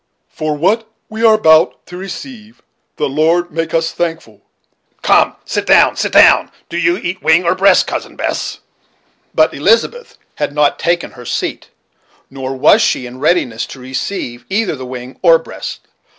'For what we are about to receive, the Lord make, us thankful Come, sit down, sit down. Do you eat wing or breast, Cousin Bess?" But Elizabeth had not taken her seat, nor Was she in readiness to receive either the wing or breast.